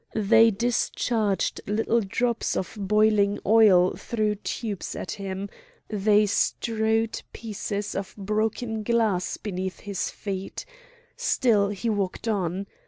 They discharged little drops of boiling oil through tubes at him; they strewed pieces of broken glass beneath his feet; still he walked on.